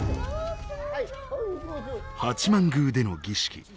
八幡宮での儀式。